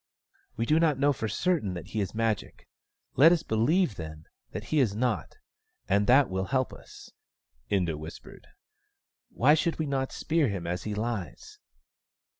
" We do not know for certain that he is Magic. Let us believe, then, that he is not, and that will THE STONE AXE OF BURKAMUKK 31 help us," Inda whispered. " Why should we not spear him as he lies